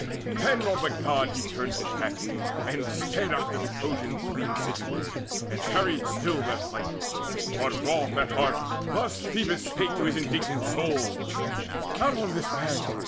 Then on the God he turned his back, and sped After the Trojans fleeing cityward, And harried still their flight; but wroth at heart Thus Phoebus spake to his indignant soul: "Out on this man!